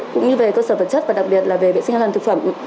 cũng như về cơ sở vật chất và đặc biệt là về vệ sinh an toàn thực phẩm